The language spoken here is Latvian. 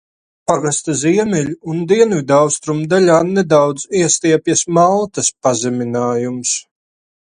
Pagasta ziemeļu un dienvidaustrumu daļā nedaudz iestiepjas Maltas pazeminājums.